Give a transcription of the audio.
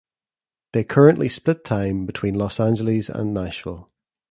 They currently split time between Los Angeles and Nashville.